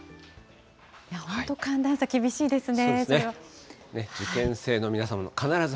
本当、寒暖差厳しいですね。